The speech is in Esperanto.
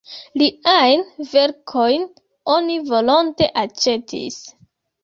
Liajn verkojn oni volonte aĉetis.